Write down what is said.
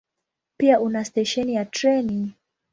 Pia una stesheni ya treni.